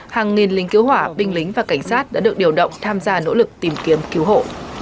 hàng nghìn lính cứu hỏa binh lính và cảnh sát đã được điều động tham gia nỗ lực tìm kiếm cứu hộ